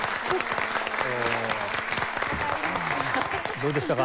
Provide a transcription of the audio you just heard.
どうでしたか？